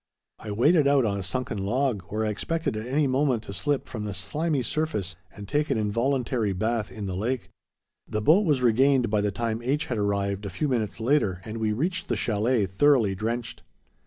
I waded out on a sunken log, where I expected at any moment to slip from the slimy surface and take an involuntary bath in the lake. The boat was regained by the time H. had arrived a few minutes later and we reached the chalet thoroughly drenched.